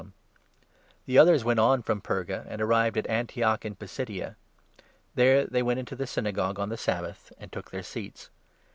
iern. The others went on from Perga and 14 arrived at Antioch in Pisidia. There they went into the Syna gogue on the Sabbath and took their seats.